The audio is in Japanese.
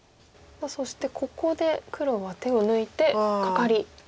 そしてここで黒は手を抜いてカカリ。